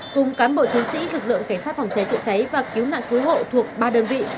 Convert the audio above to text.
cùng cán bộ chiến sĩ lực lượng cảnh sát phòng cháy chữa cháy và cứu nạn cứu hộ thuộc ba đơn vị